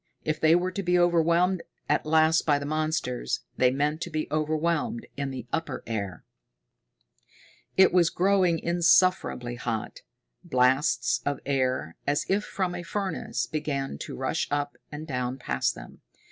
If they were to be overwhelmed at last by the monsters, they meant to be overwhelmed in the upper air. It was growing insufferably hot. Blasts of air, as if from a furnace, began to rush up and down past them.